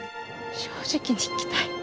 正直に生きたい。